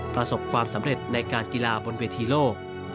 ประสบความสำเร็จในการกีฬาบนเวทีโลก